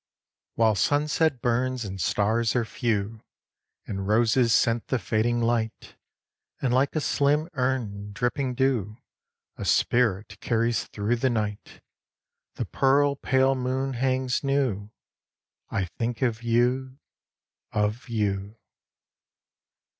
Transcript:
While sunset burns and stars are few, And roses scent the fading light, And like a slim urn, dripping dew, A spirit carries through the night, The pearl pale moon hangs new, I think of you, of you.